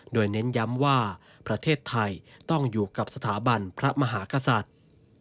โดยเน้นย้ำว่าประเทศไทยต้องอยู่กับสถาบันพระมหากษัตริย์